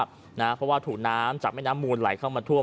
เพราะว่าถูกน้ำจากแม่น้ำมูลไหลเข้ามาท่วม